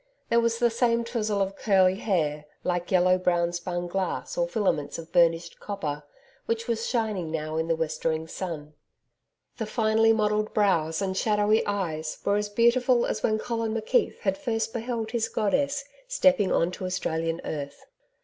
There was the same touzle of curly hair, like yellow brown spun glass or filaments of burnished copper, which was shining now in the westering sun. The finely modelled brows and shadowy eyes were as beautiful as when Colin McKeith had first beheld his goddess stepping on to Australian earth.